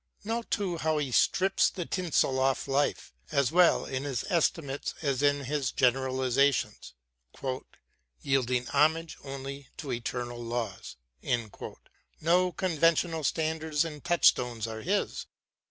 Note too how he strips the tinsel oflE life, as well in his estimates as in his generalisations, " yielding homage only to eternal laws ": no conventional standards and touchstones are his.